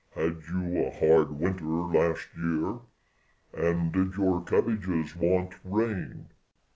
had you a hard winter last year? and did your cabbages want rain?